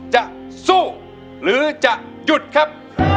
จะสู้หรือจะหยุดครับ